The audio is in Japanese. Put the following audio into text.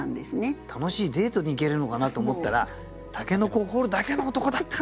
楽しいデートに行けるのかなと思ったら筍を掘るだけの男だったんだみたいな。